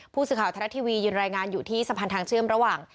ผู้สื่อข่าวไทยรัฐทีวียืนรายงานอยู่ที่สะพานทางเชื่อมระหว่าง